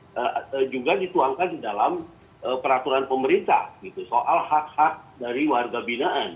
yang juga dituangkan di dalam peraturan pemerintah soal hak hak dari warga binaan